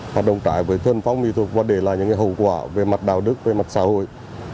hoạt động trái với thuần phong mỹ thuật và để lại những hậu quả về mặt đạo đức về mặt xã hội